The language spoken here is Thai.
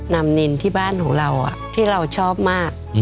นินที่บ้านของเราที่เราชอบมาก